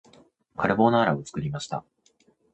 カルボナーラを作りました